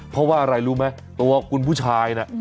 เพราะว่าอะไรรู้ไหมตัวคุณผู้ชายน่ะ